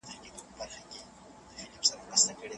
د هېواد ساتنه د افغانانو يو ستر مسؤليت دی.